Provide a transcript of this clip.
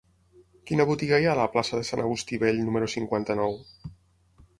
Quina botiga hi ha a la plaça de Sant Agustí Vell número cinquanta-nou?